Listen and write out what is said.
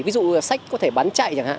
ví dụ là sách có thể bán chạy chẳng hạn